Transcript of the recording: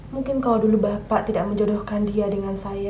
mungkin kalau dulu bapak tidak menjodohkan dia dengan saya